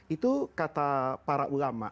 itu kata para ulama